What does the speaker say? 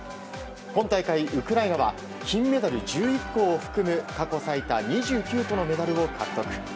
今大会、ウクライナは金メダル１１個を含む過去最多２９個のメダルを獲得。